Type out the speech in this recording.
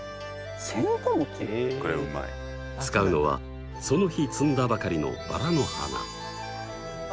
使うのはその日摘んだばかりのバラの花。